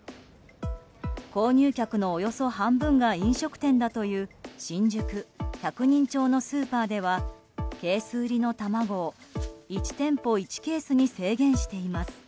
購入客のおよそ半分が飲食店だという新宿・百人町のスーパーではケース売りの卵を１店舗１ケースに制限しています。